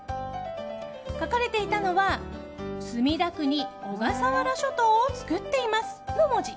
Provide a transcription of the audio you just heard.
書かれていたのは「墨田区に小笠原諸島をつくっています」の文字。